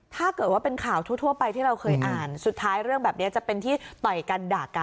ถ้าเกิดว่าเป็นข่าวทั่วไปที่เราเคยอ่านสุดท้ายเรื่องแบบนี้จะเป็นที่ต่อยกันด่ากัน